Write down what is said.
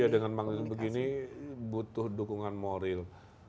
ya dengan maksud begini butuh dukungan moral